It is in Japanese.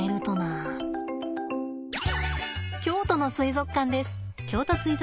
京都の水族館です。